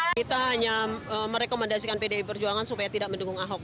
kita hanya merekomendasikan pdip berjuangan supaya tidak mendukung ahok